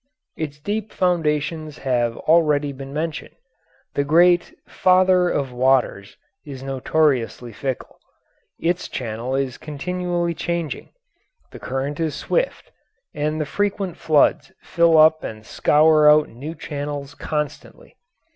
Its deep foundations have already been mentioned. The great "Father of Waters" is notoriously fickle; its channel is continually changing, the current is swift, and the frequent floods fill up and scour out new channels constantly.